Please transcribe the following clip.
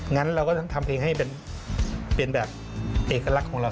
งั้นเราก็ต้องทำเพลงให้เป็นแบบเอกลักษณ์ของเรา